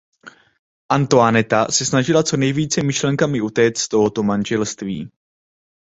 Antoinetta se snažila co nejvíce myšlenkami utéct z tohoto manželství.